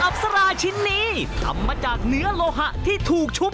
แล้วก็ทำราคาใหม่นะครับ